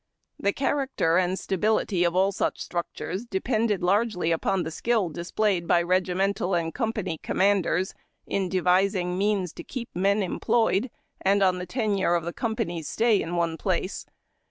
The character and stability of all such structures depended largely upon the skill disjtlayed by regimental and company commanders in devising means to keep men employed, and on the tenure of a company's stay in a place.